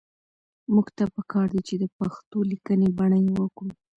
موږ ته پکار دي چې د پښتو لیکنۍ بڼه يوه کړو